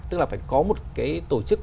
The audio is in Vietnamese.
tức là phải có một cái tổ chức